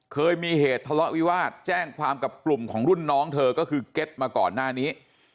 เคยมีเหตุทะเลาะวิวาสแจ้งความกับกลุ่มของรุ่นน้องเธอก็คือเก็ตมาก่อนหน้านี้